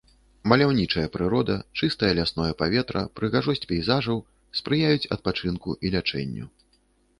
Маляўнічая прырода, чыстае лясное паветра, прыгажосць пейзажаў спрыяюць адпачынку і лячэнню.